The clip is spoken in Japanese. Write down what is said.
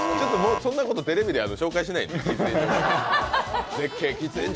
そんなことテレビで紹介しない、喫煙所。